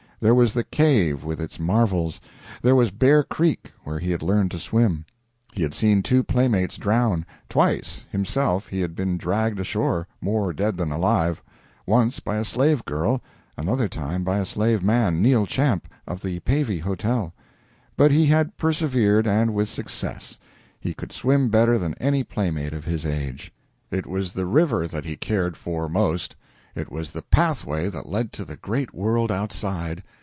There was the cave with its marvels. There was Bear Creek, where he had learned to swim. He had seen two playmates drown; twice, himself, he had been dragged ashore, more dead than alive; once by a slave girl, another time by a slave man Neal Champ, of the Pavey Hotel. But he had persevered, and with success. He could swim better than any playmate of his age. It was the river that he cared for most. It was the pathway that led to the great world outside.